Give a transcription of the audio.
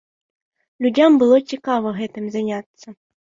Людзям было цікава гэтым заняцца.